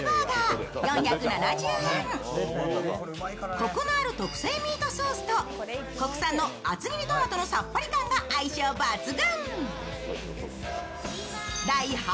こくのある特製ミートソースと国産の厚切りトマトのさっぱり感が相性抜群。